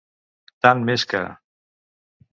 Tant més que.